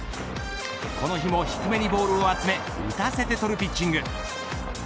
この日も低めにボールを集め打たせて捕るピッチング。